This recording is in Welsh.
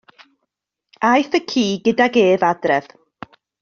Aeth y ci gydag ef adref.